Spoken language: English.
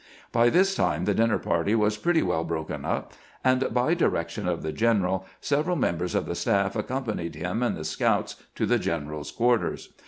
By this time the dinner party was pretty well broken up, and by direction of the general several members of the staff accompanied him and the scouts to the gener al's quarters.